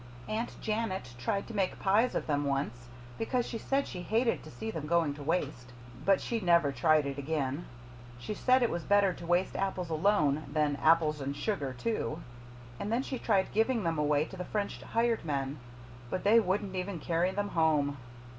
Aunt Janet tried to make pies of them once, because she said she hated to see them going to waste. But she never tried again. She said it was better to waste apples alone than apples and sugar too. And then she tried giving them away to the French hired men, but they wouldn't even carry them home."